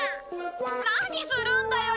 何するんだよ！